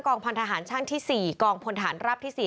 กองพลทหารช่างที่๔กองพลฐานรับที่๔